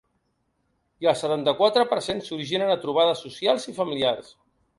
I el setanta-quatre per cent s’originen a trobades socials i familiars.